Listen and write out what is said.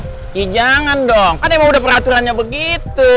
oke jangan dong kan emang udah peraturannya begitu